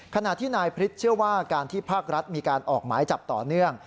ขณะที่นายพฤษเชื่อว่าการที่ภาครัฐมีการออกหมายจับต่อเนื่อง